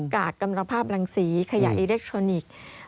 กากกำรภาพรังสีขยะอิเล็กทรอนิกส์